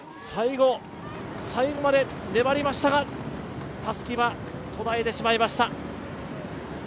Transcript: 最後まで粘りましたが、たすきは途絶えてしまいました。